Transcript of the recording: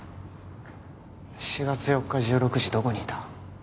４月４日１６時どこにいた？